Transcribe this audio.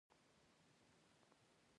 د پسونو غاړو ته چړې سيخې شوې.